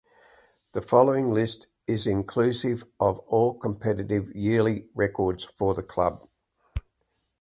The following list is inclusive of all competitive yearly records for the club.